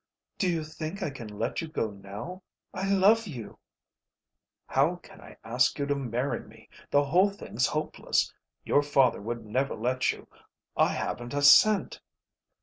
"Do you think I can let you go now? I love you." "How can I ask you to marry me? The whole thing's hopeless. Your father would never let you. I haven't a cent."